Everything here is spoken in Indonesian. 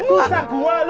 gua gak tau apa apa